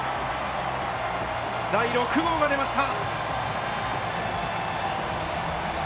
第６号が出ました！